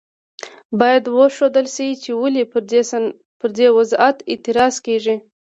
باید وښودل شي چې ولې پر دې وضعیت اعتراض کیږي.